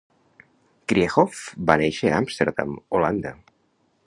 Krieghoff va néixer a Amsterdam, Holanda.